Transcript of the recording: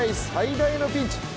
最大のピンチ。